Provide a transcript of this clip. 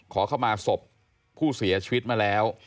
ขอเข้ามาศพผู้เสียชีวิตมาแล้ว